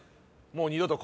もう二度と。